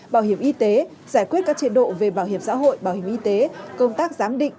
bảo hiểm y tế giải quyết các chế độ về bảo hiểm xã hội bảo hiểm y tế công tác giám định